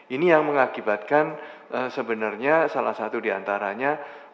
ini yang mengakibatkan sebenarnya salah satu diantaranya